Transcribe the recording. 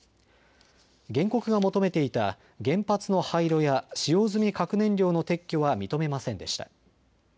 原告が求めていた原発の廃炉や使用済み核燃料の撤去は認めませんでした。